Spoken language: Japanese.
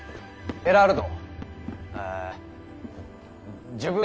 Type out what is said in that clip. エラール殿！